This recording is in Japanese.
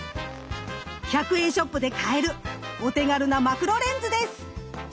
１００円ショップで買えるお手軽なマクロレンズです。